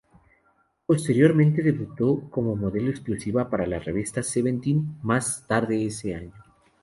Posteriormente, debutó como modelo exclusiva para la revista "Seventeen" más tarde ese año.